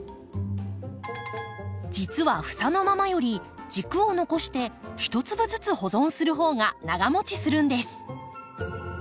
実は房のままより軸を残して一粒ずつ保存するほうが長もちするんです。